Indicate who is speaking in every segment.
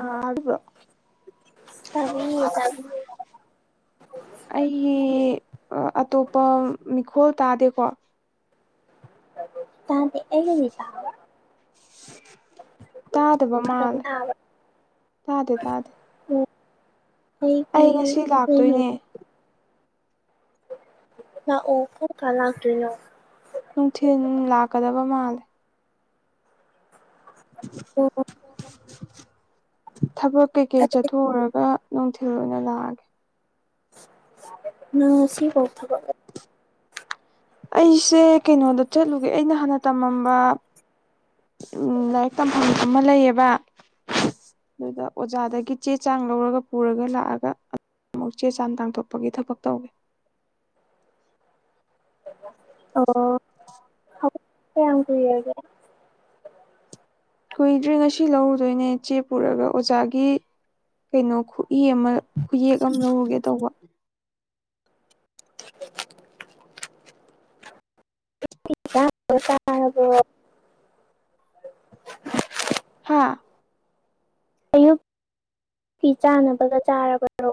Speaker 1: ꯑꯗꯨꯕ꯭ꯔꯣ
Speaker 2: ꯇꯔꯤ
Speaker 1: ꯑꯩꯒꯤ ꯑꯇꯣꯞꯄ ꯃꯤꯈꯣꯜ ꯇꯥꯗꯦꯀꯣ
Speaker 2: ꯇꯗꯤ ꯑꯦꯠꯇ ꯈꯇꯪ
Speaker 1: ꯇꯥꯗꯕꯃꯂ
Speaker 2: ꯇꯥꯕ
Speaker 1: ꯇꯥꯗꯦ ꯇꯥꯗꯦ
Speaker 2: ꯎꯝ ꯑꯩꯒꯤ
Speaker 1: ꯑꯩ ꯉꯁꯤ ꯂꯥꯛꯇꯣꯏꯅꯦ
Speaker 2: ꯅ ꯑꯣꯐ ꯀꯂꯥ ꯀꯣ
Speaker 1: ꯅꯨꯡꯊꯤꯜ ꯂꯥꯛꯀꯗꯕ ꯃꯥꯜꯂꯦ
Speaker 2: ꯑꯣ
Speaker 1: ꯊꯕꯛ ꯀꯩꯀꯩ
Speaker 2: ꯑꯩ
Speaker 1: ꯆꯠꯊꯣꯛꯎꯔꯒ ꯅꯨꯡꯊꯤꯜ ꯑꯣꯏꯅ ꯂꯥꯛꯑꯒꯦ
Speaker 2: ꯑ ꯁꯤ ꯀꯧ ꯊꯕ
Speaker 1: ꯑꯩꯁꯦ ꯀꯩꯅꯣꯗ ꯆꯠꯂꯨꯒꯦ ꯑꯩꯅ ꯍꯥꯟꯅ ꯇꯝꯃꯝꯕ ꯎꯝ ꯂꯥꯏꯔꯤꯛ ꯇꯝꯐꯝ ꯑꯃ ꯂꯩꯌꯦꯕ ꯑꯗꯨꯗ ꯑꯣꯖꯥꯗꯒꯤ ꯆꯦ ꯆꯥꯡ ꯂꯧꯔꯒ ꯄꯨꯔꯒ ꯂꯥꯛꯑꯒ ꯑꯃꯨꯛ ꯆꯦ ꯆꯥꯡ ꯇꯥꯡꯊꯣꯛꯄꯒꯤ ꯊꯕꯛ ꯇꯧꯋ‌ꯦ
Speaker 2: [inaudible] ꯑꯣ ꯀꯌꯥꯝ ꯀꯨꯏꯔꯒꯦ
Speaker 1: ꯀꯨꯏꯗ꯭ꯔꯤ ꯉꯁꯤ ꯂꯧꯔꯨꯗꯣꯏꯅꯦ ꯆꯦ ꯄꯨꯔꯒ ꯑꯣꯖꯥꯒꯤ ꯀꯩꯅꯣ ꯏ ꯑꯃ ꯈꯨꯌꯦꯛ ꯑꯃ ꯂꯧꯔꯨꯒꯦ ꯇꯧꯕ
Speaker 2: ꯇꯔꯕ‍꯭ꯔꫭ
Speaker 1: ꯍꯥꯥ
Speaker 2: ꯑꯌꯨꯛꯀꯤ ꯆꯥꯅꯕꯒ ꯆꯥꯔꯕꯔꯣ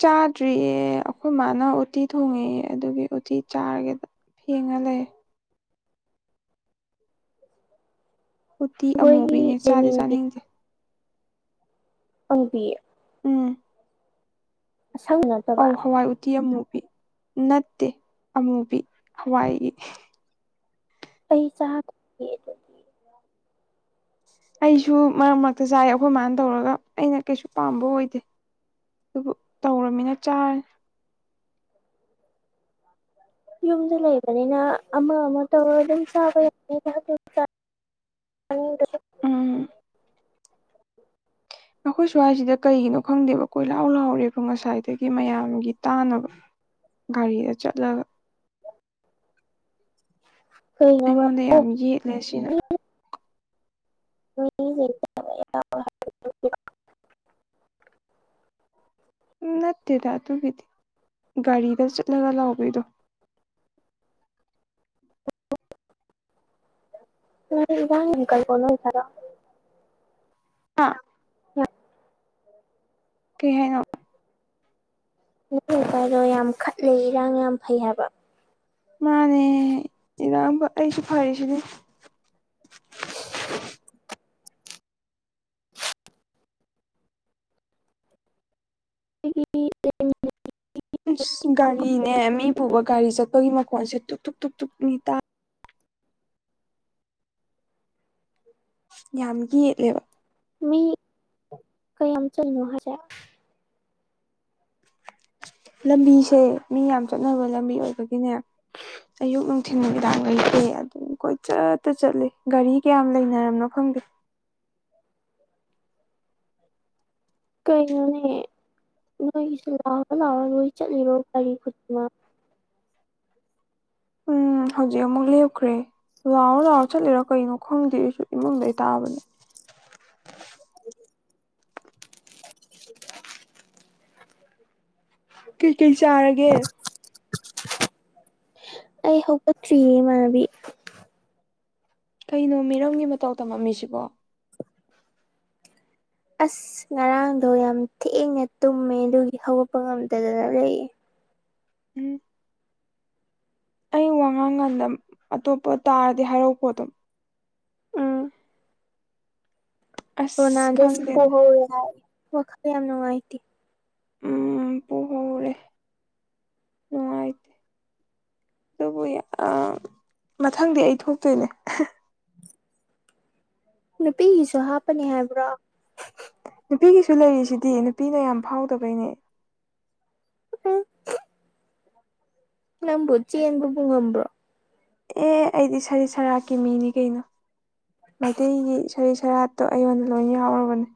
Speaker 1: ꯆꯥꯗ꯭ꯔꯤꯌꯦ ꯑꯩꯈꯣꯏ ꯃꯥꯅ ꯎꯇꯤ ꯊꯣꯡꯉꯛꯑ ꯑꯗꯨꯒꯤ ꯎꯇꯤ ꯆꯥꯔꯒꯦꯗ ꯐꯦꯡꯉ ꯂꯩꯔ‌ꯦ
Speaker 2: [inaudible]
Speaker 1: ꯎꯇꯤ
Speaker 2: ꯑꯩꯈꯣꯏꯒꯤ
Speaker 1: ꯑꯃꯨꯕꯤꯅꯦ ꯆꯥꯗꯤ
Speaker 2: ꯂꯩꯃꯤꯟꯅꯕꯤ
Speaker 1: ꯆꯥꯅꯤꯡꯗꯦ
Speaker 2: ꯑꯃꯨꯕꯤꯌꯦ
Speaker 1: ꯎꯝ
Speaker 2: ꯑꯁꯪꯕ ꯅꯠꯇꯕ
Speaker 1: ꯑꯧ ꯍꯋꯥꯏ ꯎꯇꯤ ꯑꯃꯨꯛ ꯅꯠꯇꯦ ꯑꯃꯨꯕꯤ ꯍꯋꯥꯏꯒꯤ
Speaker 2: ꯑꯩ ꯆꯗ‍꯭ꯔꯤꯌ‌ꯦ ꯑꯗꯨꯗ
Speaker 1: ꯑꯩꯁꯨ ꯃꯔꯛ ꯃꯔꯛꯇ ꯆꯥꯏ ꯑꯩꯈꯣꯏ ꯃꯥꯅ ꯇꯧꯔꯒ ꯑꯩꯅ ꯀꯩꯁꯨ ꯄꯥꯝꯕ ꯑꯣꯏꯗꯦ ꯑꯗꯨꯕꯨ ꯇꯧꯔꯃꯤꯅ ꯆꯥꯔꯅꯤ
Speaker 2: ꯌꯨꯝꯗ ꯂꯩꯕꯅꯤꯅ ꯑꯃ ꯑꯃ ꯇꯧꯔꯒ ꯑꯗꯨꯝ ꯆꯥꯕ ꯌꯥꯅꯤ ꯑ [unintelligible]
Speaker 1: ꯎꯝ ꯑꯩꯈꯣꯏ ꯁ꯭ꯋꯥꯏꯁꯤꯗ ꯀꯩꯒꯤꯅꯣ ꯈꯪꯗꯦꯕ ꯀꯣꯏ ꯂꯥꯎ ꯂꯥꯎꯔꯦꯕ ꯉꯁꯥꯏꯗꯒꯤ ꯃꯌꯥꯝꯒꯤ ꯇꯥꯅꯕ ꯒꯥꯔꯤꯗ ꯆꯠꯂꯒ
Speaker 2: ꯀꯩꯅꯣꯕ
Speaker 1: ꯑꯩꯉꯣꯟꯗ
Speaker 2: ꯑꯣ
Speaker 1: ꯌꯥꯝ ꯌꯦꯠꯂꯦ ꯁꯤꯅ
Speaker 2: ꯃꯤ ꯃꯤ [unintelligible]
Speaker 1: ꯎꯝ ꯅꯠꯇꯦꯗ ꯑꯗꯨꯒꯤꯗꯤ ꯒꯥꯔꯤꯗ ꯆꯠꯂꯒ ꯂꯥꯎꯕꯩꯗꯣ
Speaker 2: [inaudible] [unintelligible]
Speaker 1: ꯑ
Speaker 2: [unintelligible]
Speaker 1: ꯀꯩꯍꯥꯏꯅꫭ
Speaker 2: ꯅꯣꯏ ꯅꯨꯄꯥ ꯗꯣ ꯌꯥꯝ ꯈꯠꯂꯦ ꯏꯔꯥꯡ ꯌꯥꯝ ꯐꯩ ꯍꯥꯌꯕꯥ
Speaker 1: ꯃꯥꯅꯦ [unintelligible] ꯑꯩꯁꯨ ꯐꯔꯤꯁꯤꯗꯤ
Speaker 2: [unintelligible] [unintelligible]
Speaker 1: ꯑꯁ ꯒꯔꯤꯅꯦ ꯃꯤ ꯄꯨꯕꯥ ꯒꯥꯔꯤ ꯆꯠꯞꯒꯤ ꯃꯈꯣꯟꯁꯦ ꯇꯨꯛ ꯇꯨꯛ ꯇꯨꯛ ꯅꯦ ꯇꯥ ꯌꯥꯝ ꯌꯦꯠꯂꯦꯕꯥ
Speaker 2: ꯃꯤ ꯀꯌꯥꯝ ꯆꯠꯂꯤꯅꫭ ꯍꯥꯏꯁ‌ꯦ
Speaker 1: ꯂꯝꯕꯤꯁꯦ ꯃꯤ ꯌꯥꯝ ꯆꯠꯅꯕ ꯑꯌꯨꯛ ꯅꯨꯡꯊꯤꯟ ꯅꯨꯃꯤꯗꯥꯡ ꯂꯩꯇ‌ꯦ ꯑꯗꯨꯝ ꯀꯣꯏꯆꯠꯇ ꯆꯠꯂꯤ ꯒꯥꯔꯤ ꯀꯌꯥꯝ ꯂꯩꯅꯔꯕꯝꯅꯣ ꯈꯪꯗꯦ
Speaker 2: ꯀꯩꯅꫭꯅꯦ ꯅꯣꯏꯒꯤꯁꯤ ꯂꯥꯎꯑꯣ ꯂꯥꯛꯑꯣ ꯅꯣꯏ ꯆꯠꯂꯤꯔꯣ ꯒꯥꯔꯤ ꯈꯨꯗꯤꯅ
Speaker 1: ꯎꯝ ꯍꯧꯖꯤꯛ ꯑꯃꯨꯛ ꯂꯦꯞꯈ꯭ꯔꯦ ꯂꯥꯎꯔ ꯂꯥꯎꯔ ꯆꯠꯂꯤꯔꯣ ꯀꯩꯅꯣ ꯈꯪꯗꯦ ꯑꯩꯁꯨ ꯏꯃꯨꯡꯗ ꯇꯥꯕꯅꯦ
Speaker 2: [inaudible] [unintelligible]
Speaker 1: ꯀꯩꯀꯩ ꯆꯥꯔꯒꯦ
Speaker 2: ꯑꯩ ꯍꯧꯒ ꯊ꯭ꯔꯤꯌꯦ ꯃꯥꯕꯤ
Speaker 1: ꯀꯩꯅꯣ ꯃꯤꯔꯝꯒꯤ ꯃꯇꯧ ꯇꯝꯃꯝꯃꯤꯁꯤꯕꯣ
Speaker 2: ꯑꯁ ꯉꯔꯥꯡꯗꯣ ꯌꯥꯝ ꯊꯦꯡꯅ ꯇꯨꯝꯃꯦ ꯑꯗꯨꯒꯤ ꯍꯧꯒꯠꯄ ꯉꯝꯗꯗꯅ ꯂꯩꯌꯦ
Speaker 1: ꯎꯝ ꯑꯩ ꯋꯥꯉꯥꯡꯈꯥꯟꯗ ꯑꯇꯣꯞꯄ ꯇꯥꯔꯗꯤ ꯍꯥꯏꯔꯛꯄꯣ ꯑꯗꯨꯝ
Speaker 2: ꯎꯝ
Speaker 1: ꯑꯁ
Speaker 2: ꯔꯣꯅꯥꯜꯗꯣꯁꯨ
Speaker 1: ꯈꯪꯗꯦꯗ
Speaker 2: ꯄꯍꯧꯋꯦ ꯍꯥꯏ ꯋꯥꯈꯜ ꯌꯥꯝ ꯅꯨꯡꯉꯥꯏꯇꯦ
Speaker 1: ꯎꯝ ꯄꯍꯣꯔꯦ ꯎꯥꯏ ꯑꯗꯨꯕꯨ ꯃꯊꯪꯗꯤ ꯑꯩ ꯊꯣꯛꯇꯣꯏꯅꯦ
Speaker 2: ꯅꯨꯄꯤꯒꯤꯁꯨ ꯍꯥꯞꯄꯅꯤ ꯍꯥꯏꯕ꯭ꯔꯣ
Speaker 1: ꯅꯨꯄꯤꯒꯤꯁꯨ ꯂꯩꯔꯤꯁꯤꯗꯤ ꯅꯨꯄꯤꯅ ꯌꯥꯝ ꯐꯥꯎꯗꯕꯩꯅꯦ
Speaker 2: [unintelligible] ꯅꯪꯕꯣ ꯆꯦꯟꯕꯕꯨ ꯉꯝꯕ꯭ꯔꯣ
Speaker 1: ꯑꯦ ꯑꯩꯗꯤ ꯁꯔꯤꯠ ꯁꯔꯥꯛꯀꯤ ꯃꯤꯅꯤ ꯀꯩꯅꯣ ꯃꯩꯇꯩꯒꯤ ꯁꯔꯤꯠ ꯁꯦꯔꯥꯠꯇꯣ ꯑꯩꯉꯣꯟꯗ ꯂꯣꯏ ꯌꯥꯎꯨꯔꯕꯅꯦ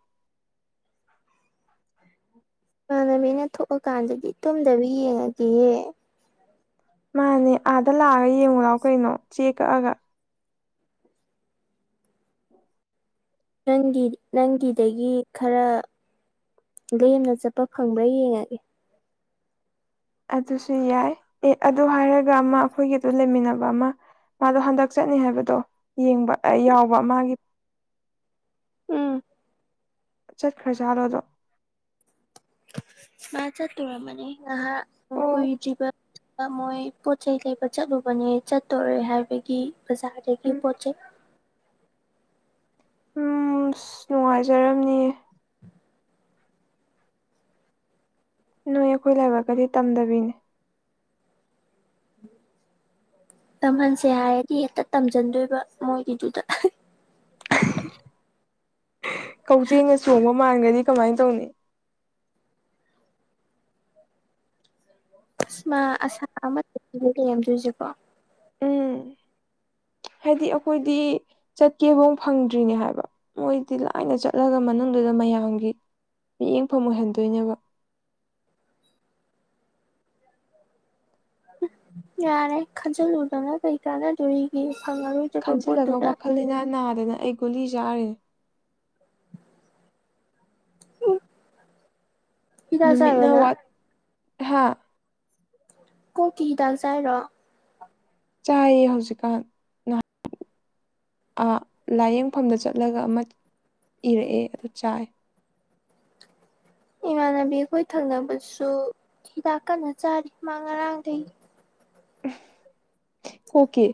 Speaker 2: ꯏꯃꯅꯕꯤꯅ ꯊꯣꯛꯑꯀꯥꯟꯗꯗꯤ ꯇꯨꯝꯗꯕꯤ ꯌꯦꯡꯉꯒꯦꯍꯦ
Speaker 1: ꯃꯥꯅꯦ ꯑꯥꯗ ꯂꯥꯛꯑꯒ ꯌꯦꯡꯉꯨ ꯂꯥꯛꯎ ꯀꯩꯅꯣ ꯆꯦꯛ ꯀꯛꯑꯒ
Speaker 2: ꯅꯪꯒꯤ ꯅꯪꯒꯤꯗꯒꯤ ꯈꯔ ꯒꯦꯝꯅ ꯆꯠꯄ ꯐꯪꯕ꯭ꯔꯥ ꯌꯦꯡꯉꯒꯦ
Speaker 1: ꯑꯗꯨꯁꯨ ꯌꯥꯏ ꯑꯦ ꯑꯗꯨ ꯍꯥꯏꯔꯒ ꯑꯃ ꯑꯩꯈꯣꯏꯒꯤꯗꯣ ꯂꯩꯃꯤꯟꯅꯕ ꯑꯃ ꯃꯥꯗꯣ ꯍꯟꯗꯛ ꯆꯠꯅꯤ ꯍꯥꯏꯕꯗꯣ ꯌꯦꯡꯕ ꯌꯥꯎꯕ ꯃꯥꯒꯤ
Speaker 2: ꯎꯝ
Speaker 1: ꯆꯠꯈ꯭ꯔꯖꯥꯠꯂꯣ ꯑꯗꯣ
Speaker 2: ꯃꯥ ꯆ ꯇ ꯃꯅꯤ ꯉꯍꯥꯛ
Speaker 1: ꯑꯣ
Speaker 2: ꯀꯨꯕ ꯃꯣꯏ ꯄꯣꯠ ꯆꯩꯩ ꯂꯩꯕ ꯆꯠꯂꯨꯕꯅꯦ ꯆꯠꯇꯣꯔꯦ ꯍꯥꯏꯕꯒꯤ ꯕꯖꯥꯔꯗꯒꯤ
Speaker 1: ꯎꯝ
Speaker 2: ꯄꯣꯠ ꯆꯩꯩ ꯎ
Speaker 1: ꯎꯝ ꯑꯁ ꯅꯨꯡꯉꯥꯏꯖꯔꯝꯅꯤ ꯅꯣꯏ ꯑꯩꯈꯣꯏ ꯂꯥꯏꯕꯛꯀꯗꯤ ꯇꯝꯗꯕꯤꯅꯦ
Speaker 2: ꯇꯝꯍꯟꯁꯦ ꯍꯥꯏꯔꯗꯤ ꯍꯦꯛꯇ ꯇꯝꯁꯤꯟꯗꯣꯏꯕ ꯃꯣꯏꯒꯤꯗꯨꯗ [unintelligible]
Speaker 1: ꯀꯧꯖꯦꯡꯅ ꯆꯣꯡꯕ ꯃꯥꯟꯒꯗꯤ ꯀꯃꯥꯏꯅ ꯇꯧꯅꯤ
Speaker 2: ꯑꯃꯥ ꯑꯁꯥ ꯑꯃꯦꯝꯗꯣꯏꯁꯀꯣ
Speaker 1: ꯎꯝ ꯍꯥꯏꯗꯤ ꯑꯩꯈꯣꯏꯗꯤ ꯆꯠꯀꯦꯐꯥꯎ ꯐꯪꯗ꯭ꯔꯤꯅꯦ ꯍꯥꯏꯕ ꯃꯣꯏꯗꯤ ꯂꯥꯏꯅ ꯆꯠꯂꯒ ꯃꯅꯨꯡꯗꯨꯗ ꯃꯌꯥꯝꯒꯤ ꯃꯤꯠꯌꯦꯡꯐꯝ ꯑꯣꯏꯍꯟꯗꯣꯏꯕ
Speaker 2: [unintelligible] ꯌꯥꯔꯦ ꯈꯟꯖꯤꯜꯂꯨꯗꯅ ꯀꯩ ꯀꯥꯟꯅꯗꯣꯔꯤꯒꯤ
Speaker 1: ꯈꯟꯖꯤꯜꯂꯒ ꯋꯥꯈꯜ ꯂꯩꯅꯥ ꯅꯥꯗꯅ ꯑꯩ ꯒꯨꯂꯤ ꯆꯥꯔꯦ
Speaker 2: ꯎ ꯀꯗ ꯆꯥꯏꯕꯅ
Speaker 1: ꯍꯥꯥ
Speaker 2: ꯀ ꯀꯗꯥꯜꯁ ꯔ
Speaker 1: ꯆꯥꯏꯌꯦ ꯍꯧꯖꯤꯛꯀꯥꯟ ꯂꯥꯏꯌꯦꯡꯐꯝꯗ ꯆꯠꯂꯒ ꯑꯃ ꯏꯔꯛꯑꯦ ꯑꯗꯨ ꯆꯥꯏ
Speaker 2: ꯏꯃ ꯏꯃꯥꯟꯅꯕꯤ ꯑꯩꯈꯣꯏ ꯊꯪꯅꯕꯁꯨ ꯍꯤꯗꯥꯛ ꯀꯟꯅ ꯆꯥꯔꯤ ꯃꯥ ꯉꯔꯥꯡꯗꯒꯤ
Speaker 1: ꯀꯣ ꯀ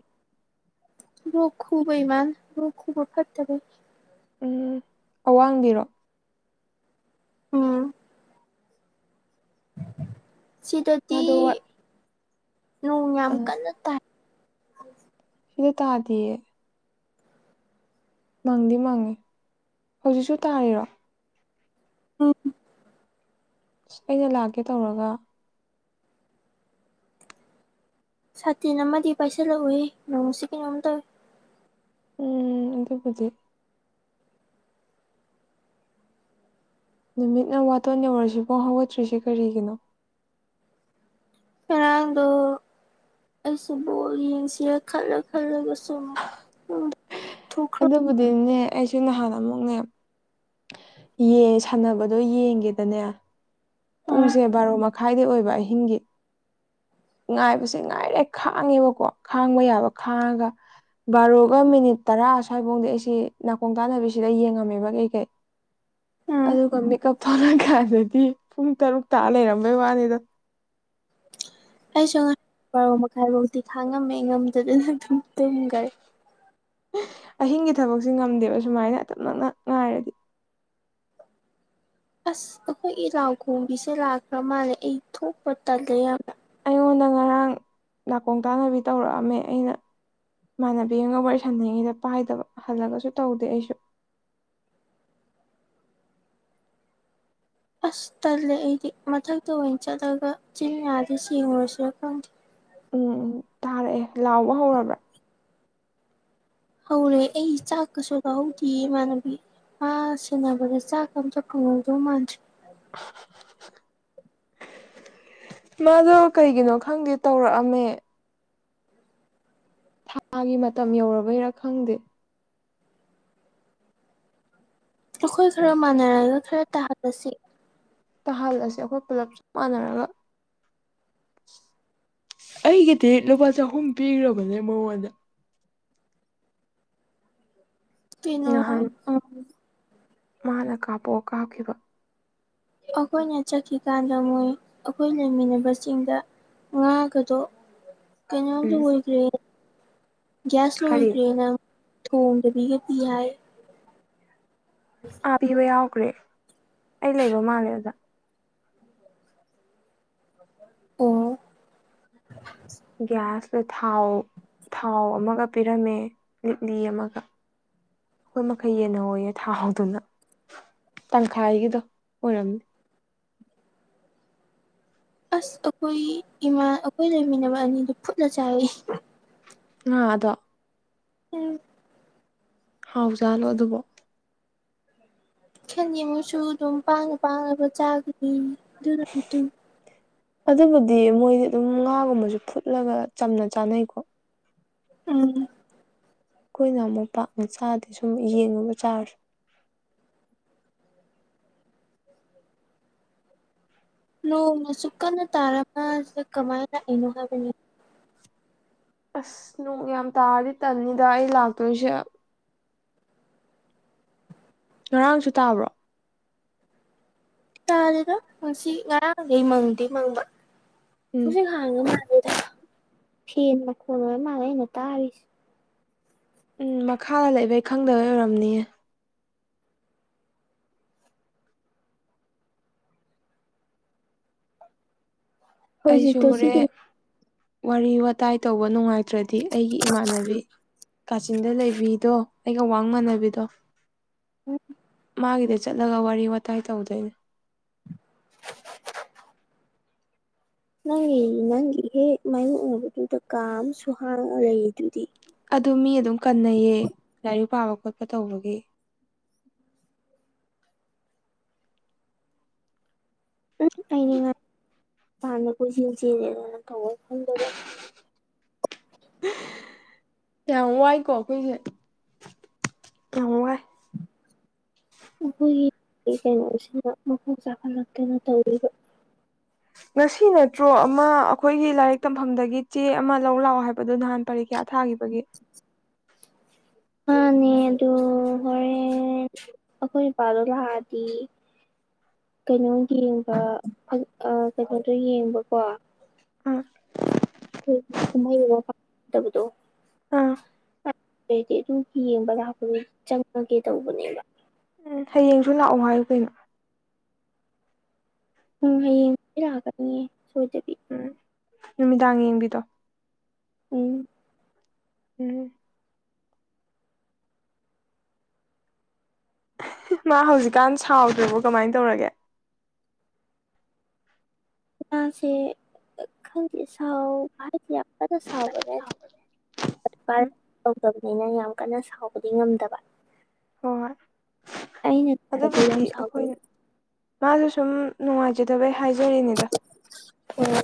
Speaker 2: ꯔꯣꯛ ꯈꯨꯕꯩꯃꯥꯟ ꯔ ꯈꯕ ꯐꯠꯇꯕ
Speaker 1: ꯎꯝ ꯑꯋꯥꯡꯕꯤꯔꯣ
Speaker 2: ꯎꯝ ꯁꯤꯇꯇꯤ
Speaker 1: ꯃꯥꯗꯣ ꯋꯥꯠ
Speaker 2: ꯅꯣꯡ ꯌꯥꯝ ꯀꯟꯅ ꯇꯥꯏ
Speaker 1: ꯁꯤꯗꯤ ꯇꯥꯗꯤꯌꯦ ꯃꯪꯗꯤ ꯃꯪꯉꯤ ꯍꯧꯖꯤꯛꯁꯨ ꯇꯥꯔꯤꯔꯣ
Speaker 2: ꯎꯝ
Speaker 1: ꯑꯁ ꯑꯩꯅ ꯂꯥꯛꯀꯦ ꯇꯧꯔꯒ
Speaker 2: ꯁꯥꯇꯤꯟ ꯑꯃꯗꯤ ꯄꯥꯏꯁꯤꯜꯂꯛꯎꯏ ꯅꯣꯡꯁꯤ ꯀꯩꯅꯣꯝ ꯇꯧꯋꯏ
Speaker 1: ꯎꯝ ꯑꯗꯨꯕꯨꯗꯤ ꯅꯨꯃꯤꯠꯅ ꯋꯥꯇꯣꯟ ꯌꯧꯔꯁꯤꯐꯥꯎ ꯍꯧꯒꯠꯇ꯭ꯔꯤꯁꯤ ꯀꯔꯤꯒꯤꯅꯣ
Speaker 2: ꯉꯥꯔꯥꯡꯗꯣ ꯑꯩꯁꯨꯕꯨ ꯌꯦꯡꯁꯤꯦ ꯈꯜꯂ ꯈꯜꯂꯒ ꯁꯨꯝ ꯎꯝ
Speaker 1: ꯑꯗꯨꯗꯕꯨꯗꯤꯅꯦ ꯑꯩꯁꯨꯦ ꯅꯍꯥꯟ ꯑꯃꯨꯛꯅꯦ ꯁꯥꯟꯅꯕꯗꯣ ꯌꯦꯡꯒꯦꯗꯅꯦ
Speaker 2: ꯎꯝ
Speaker 1: ꯄꯨꯡꯁꯦ ꯕꯥꯔꯣ ꯃꯈꯥꯏꯗ ꯑꯣꯏꯕ ꯑꯍꯤꯡꯒꯤ ꯉꯥꯏꯕꯁꯦ ꯉꯥꯏꯔꯦ ꯈꯥꯡꯉꯦꯕꯀꯣ ꯈꯥꯡꯕ ꯌꯥꯕ ꯈꯥꯡꯉꯒ ꯕꯥꯔꯣꯒ ꯃꯤꯅꯤꯠ ꯇꯔꯥ ꯑꯁ꯭ꯋꯥꯏꯐꯧꯗꯤ ꯑꯩꯁꯤ ꯅꯥꯀꯣꯡ ꯇꯥꯟꯅꯕꯤꯁꯤꯗ ꯌꯦꯡꯉꯝꯃꯦꯕ ꯀꯩꯀꯩ
Speaker 2: ꯎꯝ
Speaker 1: ꯑꯗꯨꯒ ꯃꯦꯀꯞ ꯊꯂꯛꯀꯥꯟꯗꯗꯤ ꯄꯨꯡ ꯇꯔꯨꯛ ꯇꯥ ꯂꯩꯔꯝꯕꯩ ꯋꯥꯅꯤꯗ
Speaker 2: ꯑꯩꯁꯨ ꯉꯔꯣ ꯃꯈꯥꯏꯐꯧꯗꯤꯤ ꯈꯥꯡꯉꯝꯃꯦ ꯉꯝꯗꯗꯅ ꯑꯗꯨꯝ ꯇꯨꯝꯈ꯭ꯔꯦ
Speaker 1: ꯑꯍꯤꯡꯒꯤ ꯊꯕꯛꯁꯦ ꯉꯝꯗꯦꯕ ꯁꯨꯃꯥꯏꯅ ꯇꯇꯞ ꯅꯛꯅ ꯉꯥꯏꯔꯗꯤ
Speaker 2: ꯑꯁ ꯑꯩꯈꯣꯏ ꯏ ꯂꯥꯎꯈꯣꯡꯕꯤꯁꯦ ꯂꯥꯛꯈ꯭ꯔ ꯃꯥꯜꯂꯦ ꯑꯩ ꯊꯣꯛꯄ ꯇꯜꯂꯦ ꯌꯥꯝ
Speaker 1: ꯑꯩꯉꯣꯟꯗ ꯉꯔꯥꯡ ꯅꯥꯀꯣꯡ ꯇꯥꯅꯕꯤ ꯇꯧꯔꯛꯑꯝꯃꯦ ꯑꯩꯅ ꯏꯃꯥꯟꯅꯕꯤ ꯑꯃꯒ ꯋꯥꯔꯤ ꯁꯥꯟꯅꯉꯩꯗ ꯄꯥꯏꯗꯕ ꯍꯜꯂꯒꯁꯨ ꯇꯧꯗꯦ ꯑꯩꯁꯨ
Speaker 2: [unintelligible] ꯑꯁ ꯇꯜꯂꯦ ꯑꯩꯗꯤ ꯃꯊꯛꯇ ꯑꯣꯏꯅ ꯆꯠꯂꯒ ꯆꯤꯟ ꯌꯥꯗ ꯌꯦꯉꯨꯔꯁꯤꯔꯥ ꯈꯪꯗꯦ
Speaker 1: ꯎꯝ ꯎꯝ ꯇꯥꯔꯛꯑꯦ ꯂꯥꯎꯕ ꯍꯧꯔꯕ꯭ꯔꯥ
Speaker 2: ꯍꯧꯔꯦ ꯑꯩ ꯆꯥꯛꯀꯁꯨ ꯂꯧꯥꯍꯧꯗꯦ ꯏꯃꯥꯟꯅꯕꯤ ꯑꯥ ꯁꯅꯥꯕ ꯆ ꯑꯃ ꯆꯗꯧ ꯃꯁꯤꯦ
Speaker 1: ꯍꯤꯟ ꯃꯥꯗꯣ ꯀꯩꯒꯤꯅꯣ ꯈꯪꯗꯦ ꯇꯧꯔꯛꯑꯝꯃꯦ ꯊꯥꯒꯤ ꯃꯇꯝ ꯌꯧꯔꯕꯩꯔꯥ ꯈꯪꯗꯦ
Speaker 2: ꯑꯩꯈꯣꯏ ꯈꯔ ꯃꯥꯟꯅꯔꯒ ꯈꯔ ꯇꯥꯍꯜꯂꯁꯤ
Speaker 1: ꯇꯥꯍꯜꯂꯁꯦ ꯑꯩꯈꯣꯏ ꯄꯨꯜꯂꯞ ꯆꯞ ꯃꯥꯟꯅꯔꯒ ꯑꯩꯒꯤꯗꯤ ꯂꯨꯄꯥ ꯆꯍꯨꯝ ꯄꯤꯈ꯭ꯔꯕꯅꯦ ꯃꯉꯣꯟꯒꯟꯅꯦ ꯃꯉꯣꯪ ꯚꯕꯗ
Speaker 2: ꯄꯅ
Speaker 1: ꯅꯍꯥꯟ
Speaker 2: ꯑ
Speaker 1: ꯃꯥꯅ ꯀꯥꯄꯣꯛ ꯀꯥꯈꯤꯕ
Speaker 2: ꯑꯩꯈꯣꯏꯅ ꯆꯠꯈꯤꯀꯥꯟꯗ ꯃꯣꯏ ꯑꯩꯈꯣꯏ ꯂꯩꯃꯤꯟꯅꯕꯁꯤꯡꯗ ꯉꯥꯒꯗꯣ ꯀꯩꯅꯣꯝꯗꯤ
Speaker 1: ꯎꯝ
Speaker 2: ꯑꯣꯏꯈ꯭ꯔꯦ ꯒ꯭ꯌꯥꯁ
Speaker 1: ꯀꯔꯤ
Speaker 2: ꯂꯗ꯭ꯔꯦꯅ ꯊꯣꯡꯗꯕꯤꯒꯗꯤ ꯍꯥꯏ
Speaker 1: ꯑꯥ ꯄꯤꯕ ꯌꯥꯎꯈ꯭ꯔꯦ ꯑꯩ ꯂꯩꯕ ꯃꯥꯜꯂꯦ ꯑꯗꯨꯗ
Speaker 2: ꯑꯣ
Speaker 1: ꯒꯦ ꯏꯌꯨ ꯑ ꯊꯥꯎ ꯊꯥꯎ ꯑꯃꯒ ꯄꯤꯔꯝꯃꯦ ꯂꯤꯛꯂꯤ ꯑꯃꯒ ꯑꯩꯈꯣꯏ ꯃꯈꯩ ꯌꯦꯟꯟꯅꯍꯌꯦ ꯊꯥꯍꯧꯗꯨꯅ ꯇꯪꯈꯥꯏꯒꯤꯗꯣ ꯑꯣꯏꯔꯝꯅꯦꯕꯣ
Speaker 2: ꯑꯁ ꯑꯩꯈꯣꯏ ꯏꯃꯥ ꯑꯩꯈꯣꯏ ꯂꯩꯃꯤꯟꯅꯕ ꯑꯅꯤꯗꯨ ꯐꯨꯠꯂ ꯆꯥꯏꯏ
Speaker 1: ꯉꯑꯗꯣ
Speaker 2: ꯎꯝ
Speaker 1: ꯍꯥꯎꯖꯥꯠꯂꯣ ꯑꯗꯨꯕꯨꯣ
Speaker 2: ꯈꯦꯃꯨꯁꯨ ꯑꯗꯨꯝ ꯄꯥꯡꯅ ꯄꯥꯡꯂꯕ ꯆꯥꯒꯅꯤ ꯑꯗꯨ
Speaker 1: ꯑꯗꯨꯕꯨꯗꯤ ꯃꯣꯏꯗꯤ ꯑꯗꯨꯝ ꯉꯥꯒꯨꯝꯕꯁꯨ ꯐꯨꯠꯂꯒ ꯆꯝꯅ ꯆꯥꯅꯩꯀꯣ
Speaker 2: ꯎꯝ
Speaker 1: ꯑꯩꯈꯣꯏꯅ ꯑꯃꯨꯛ ꯄꯥꯛ ꯃ ꯆꯥꯗꯤ ꯁꯨꯝ ꯌꯦꯡꯉꯨꯕ ꯆꯥꯔꯁꯨ
Speaker 2: ꯅꯣꯡꯅꯁꯨ ꯀꯟꯅ ꯇꯥꯔꯁꯗ ꯀꯃꯥꯏꯅ ꯂꯥꯛꯏꯅꯣ ꯍꯥꯏꯕꯅꯤ
Speaker 1: ꯑꯁ ꯅꯅꯨꯡ ꯌꯥꯝ ꯇꯥꯔꯗꯤ ꯇꯟꯅꯤꯗ ꯑꯩ ꯂꯥꯛꯇꯣꯏꯁꯦ ꯉꯔꯥꯡꯁꯨ ꯇꯥꯕ꯭ꯔꯣ
Speaker 2: ꯀꯥꯗꯨꯗ ꯄꯨꯟꯁꯤ ꯉꯔꯥꯡꯈꯩ ꯃꯪꯗꯦ ꯃꯪꯕ
Speaker 1: ꯎꯝ
Speaker 2: ꯄꯨꯡꯁꯤ ꯍꯥꯡꯉ ꯃꯥꯜꯦ ꯐꯦꯟ ꯃꯈꯣꯟ ꯑꯣꯏ ꯃꯥꯜꯂꯦ ꯑꯩꯅ ꯇꯥꯔꯤꯁꯦ
Speaker 1: ꯎꯝ ꯃꯈꯥꯗ ꯂꯩꯕꯩ ꯈꯪꯗꯕꯩ ꯑꯣꯏꯔꯝꯅꯤꯌꯦ ꯑꯩꯁꯨ
Speaker 2: ꯍꯧꯖꯤꯛꯇꯣ
Speaker 1: ꯍꯣꯔꯦ
Speaker 2: ꯁꯤꯒꯤ
Speaker 1: ꯋꯥꯔꯤ ꯋꯥꯇꯥꯏ ꯇꯧꯕ ꯅꯨꯡꯉꯥꯏꯇ꯭ꯔꯗꯤ ꯑꯩꯒꯤ ꯏꯃꯥꯟꯅꯕꯤ ꯀꯥꯆꯤꯟꯗ ꯂꯩꯕꯤꯗꯣ ꯑꯩꯒ ꯋꯥꯡ ꯃꯥꯟꯅꯕꯤꯗꯣ ꯃꯥꯒꯤꯗ ꯆꯠꯂꯒ ꯋꯥꯔꯤ ꯋꯥꯇꯥꯏ ꯇꯧꯗꯣꯏꯅꯤ
Speaker 2: [inaudible] ꯅꯪ ꯅꯪꯒꯤꯍꯦꯛ ꯃꯥꯏꯌꯣꯛꯅꯕꯗꯨꯗ ꯀꯥꯝꯁꯨ ꯍꯥꯡꯉ ꯂꯩ ꯑꯗꯨꯗꯤ
Speaker 1: ꯑꯗꯨ ꯃꯤ ꯑꯗꯨꯝ ꯀꯟꯅꯩꯌꯦ ꯂꯥꯏꯔꯤꯛ ꯄꯥꯕ ꯈꯣꯠꯄ ꯇꯧꯕꯒꯤ
Speaker 2: ꯎꯝ ꯑꯩꯅꯦ ꯉꯥꯏ ꯃꯄꯥꯟꯗ ꯀꯣꯏ ꯆꯦꯜ ꯆꯦꯜꯂꯦ ꯑꯗꯨ ꯅꯪ ꯇ ꯈꯐꯝꯗꯗ
Speaker 1: ꯌꯥꯝ ꯋꯥꯏꯀꯣ ꯑꯩꯈꯣꯏꯁꯦ ꯌꯥꯝ ꯋꯥꯏ
Speaker 2: ꯎꯝ ꯃꯈꯣꯏꯒꯤ ꯀꯩꯅꯣꯁꯤꯅ ꯃꯈꯣꯡ ꯆꯥꯈꯠꯂꯛꯇꯅ ꯇꯧꯔꯤꯕ
Speaker 1: ꯉꯁꯤ ꯅꯠꯇ꯭ꯔꯣ ꯑꯃ ꯑꯩꯈꯣꯏꯒꯤ ꯂꯥꯏꯔꯤꯛ ꯇꯝꯐꯝꯗꯒꯤ ꯆꯦ ꯑꯃ ꯂꯧ ꯂꯥꯛꯑꯣ ꯍꯥꯏꯕꯗꯨꯣ ꯅꯍꯥꯟ ꯄꯔꯤ ꯀꯌꯥ ꯊꯥꯈꯤꯕꯒꯤ
Speaker 2: ꯑ ꯑꯗꯨ ꯍꯣꯔꯦꯟ ꯑꯩꯈꯣꯏ ꯄꯗꯨꯂꯗꯤ ꯀꯩꯅꯣ ꯌꯦꯡꯕ ꯀꯩꯅꯣꯗꯣ ꯌꯦꯡꯕꯀꯣ ꯥꯏ
Speaker 1: ꯑꯥ ꯑꯥ
Speaker 2: ꯑꯗꯨꯗꯤ ꯑꯗꯨ ꯌꯦꯡꯕ ꯂꯥꯛꯄꯗꯨꯣ ꯆꯪꯉꯒꯦ ꯇꯧꯕꯅꯦꯕ
Speaker 1: ꯎꯝ ꯍꯌꯦꯡꯁꯨ ꯂꯥꯛꯑꯣ ꯍꯥꯏꯌꯨ ꯀꯩꯅꯣ
Speaker 2: ꯎꯝ ꯍꯌꯦꯡ ꯂꯥꯛꯀꯅꯤꯌꯦ ꯁꯣꯏꯖꯕꯤ
Speaker 1: ꯎꯝ ꯅꯨꯃꯤꯗꯥꯡ ꯌꯦꯡꯕꯤꯗꯣ
Speaker 2: ꯎꯝ
Speaker 1: ꯎꯝ ꯃꯥ ꯍꯧꯖꯤꯛꯀꯥꯟ ꯁꯥꯎꯗ꯭ꯔꯕꯣ ꯀꯃꯥꯏ ꯇꯧꯔꯒꯦ
Speaker 2: ꯃꯥꯁꯦ ꯈꯪ ꯁꯥꯥꯎ ꯍꯥꯏꯗꯤ ꯌꯥꯝ ꯀꯗꯥ ꯁꯥꯥꯎꯅꯦ
Speaker 1: ꯎꯝ
Speaker 2: ꯇꯧꯗꯕꯅꯤꯅ ꯌꯥꯝ ꯀꯟꯅ ꯁꯥꯎꯕꯗꯤ ꯉꯝꯗꯕ
Speaker 1: ꯍꯣꯏꯣꯏ
Speaker 2: ꯑꯩꯅ ꯈꯟꯕꯗꯤ
Speaker 1: ꯑꯗꯨꯕꯨꯗꯤ
Speaker 2: ꯌꯥꯝ
Speaker 1: ꯑꯩꯈꯣꯏ
Speaker 2: ꯁꯥꯎꯗꯕ
Speaker 1: ꯃꯥꯁꯨ ꯁꯨꯝ ꯅꯨꯡꯉꯥꯏꯖꯗꯕꯩ ꯍꯥꯏꯖꯔꯤꯅꯦꯗ